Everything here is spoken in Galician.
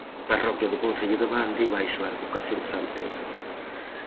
Parroquia do concello de Bande baixo a advocación de san Pedro.